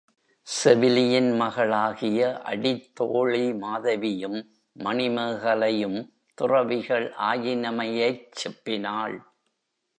செவிலியின் மகள் ஆகிய அடித்தோழி மாதவியும் மணிமேகலையும் துறவிகள் ஆயினமையைச் செப்பினாள்.